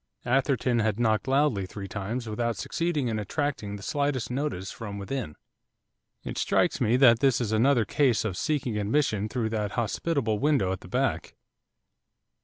Atherton had knocked loudly three times without succeeding in attracting the slightest notice from within. 'It strikes me that this is another case of seeking admission through that hospitable window at the back.